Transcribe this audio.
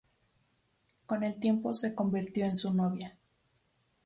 Con el tiempo se convirtió en su novia.